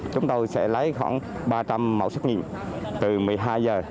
chúng tôi sẽ lấy khoảng ba trăm linh mẫu xét nghiệm từ một mươi hai giờ